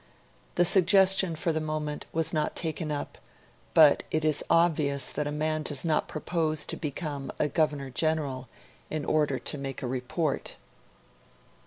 The suggestion, for the moment, was not taken up; but it is obvious that a man does not propose to become a Governor General in order to make a report.